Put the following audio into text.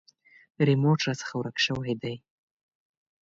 ریموټ راڅخه ورک شوی دی .